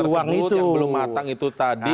yang belum matang itu tadi